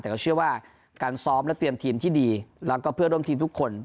แต่ก็เชื่อว่าการซ้อมและเตรียมทีมที่ดีแล้วก็เพื่อร่วมทีมทุกคน